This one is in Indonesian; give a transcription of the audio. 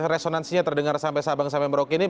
resonansinya terdengar sampai sabang sampai merauke ini